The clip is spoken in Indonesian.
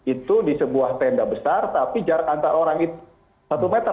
itu di sebuah tenda besar tapi jarak antar orang itu satu meter